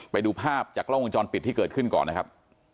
ไปดูภาพจากกล้องวงจรปิดที่เกิดขึ้นก่อนนะครับ